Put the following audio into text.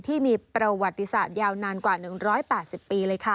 ที่มีประวัติศาสตร์ยาวนานกว่า๑๘๐ปีเลยค่ะ